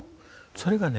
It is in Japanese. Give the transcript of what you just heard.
それがね